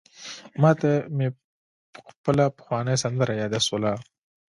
ماته مي خپله پخوانۍ سندره یاده سوله: